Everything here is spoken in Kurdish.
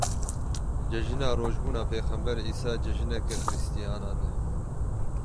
Cejina Rojbûna Pêxember Îsa cejineke xiristiyanan e.